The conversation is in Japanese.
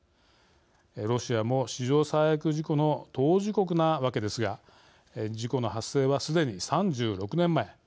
ロシアも史上最悪事故の当事国なわけですが事故の発生は、すでに３６年前。